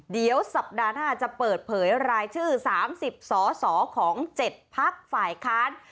เดี๋ยวสัปดาห์หน้าจะเปิดเผยรายชื่อ๓๐สสของ๗พักฝ่ายค้าน